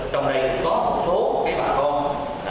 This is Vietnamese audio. trong đây có một số bà con